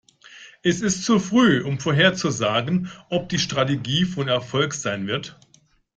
Es ist zu früh, um vorherzusagen, ob die Strategie von Erfolg sein wird.